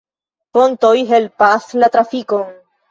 Pontoj helpas la trafikon.